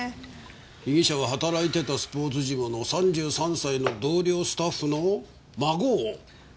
被疑者は働いてたスポーツジムの３３歳の同僚スタッフの孫を誘拐したってわけか。